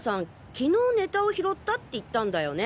昨日ネタを拾ったって言ったんだよね？